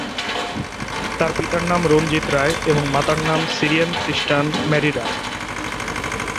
তার পিতার নাম রঞ্জিত রায় এবং মাতার নাম সিরিয়ান খ্রিস্টান ম্যারি রায়।